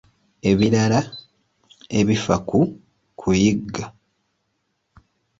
Ebirala ebifa ku kuyigga.